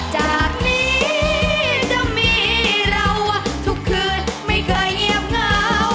จากนี้จะมีเราทุกคืนไม่เคยเงียบเหงา